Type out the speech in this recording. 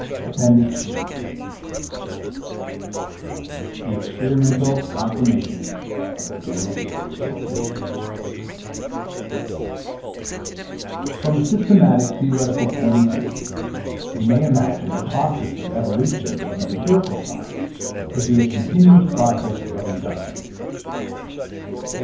APPENDIX III THE EXPERIMENTAL CONFIRMATION OF THE GENERAL THEORY OF RELATIVITY From a systematic theoretical point of view, we may imagine the process of evolution of an empirical science to be a continuous process of induction.